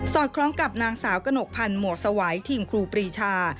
คล้องกับนางสาวกระหนกพันธ์หมวกสวัยทีมครูปรีชา